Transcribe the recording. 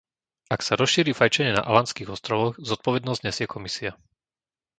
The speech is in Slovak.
Ak sa rozšíri fajčenie na Alandských ostrovoch, zodpovednosť nesie Komisia.